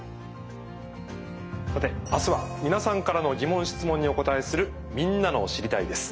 さて明日は皆さんからの疑問質問にお答えするみんなの「知りたい！」です。